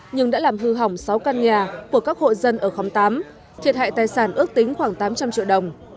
nhưng đã làm hư hỏng sáu căn nhà của các hộ dân ở khóm tám thiệt hại tài sản ước tính khoảng tám trăm linh triệu đồng